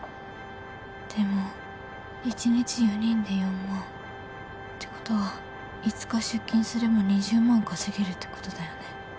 でも一日４人で４万。ってことは５日出勤すれば２０万稼げるってことだよね。